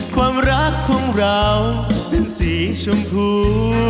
ความรักของเราเป็นสีชมพู